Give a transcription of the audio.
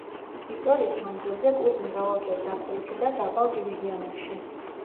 ისტორიის მანძილზე კლუბი მრავალჯერ დაქვეითდა დაბალ დივიზიონებში.